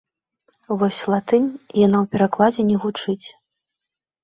Вось латынь, яна ў перакладзе не гучыць.